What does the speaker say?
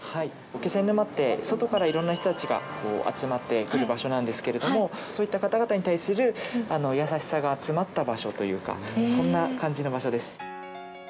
気仙沼って外からいろんな人たちが集まってくる場所ですけどもそういった方々に対する優しさが詰まった場所というそんな感じな場所です。